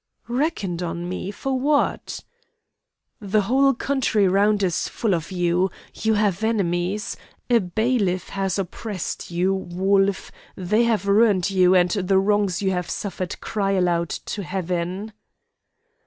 "'Reckoned on me! For what?' "'The whole country round is full of you. You have enemies! A bailiff has oppressed you, Wolf! They have ruined you, and the wrongs you have suffered cry aloud to Heaven.